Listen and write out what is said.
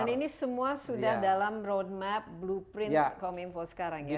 dan ini semua sudah dalam roadmap blueprint kominfo sekarang ya